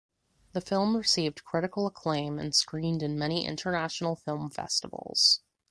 The film received critical acclaim and screened in many international film festivals.